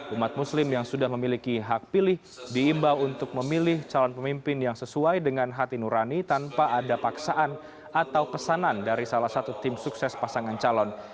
umat muslim yang sudah memiliki hak pilih diimbau untuk memilih calon pemimpin yang sesuai dengan hati nurani tanpa ada paksaan atau pesanan dari salah satu tim sukses pasangan calon